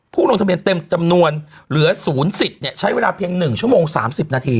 ลงทะเบียนเต็มจำนวนเหลือ๐สิทธิ์ใช้เวลาเพียง๑ชั่วโมง๓๐นาที